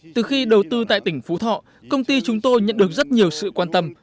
từ khi đầu tư tại tỉnh phú thọ công ty chúng tôi nhận được rất nhiều sự quan tâm